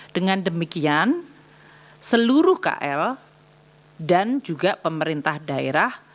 dengan demikian seluruh kl dan juga pemerintah daerah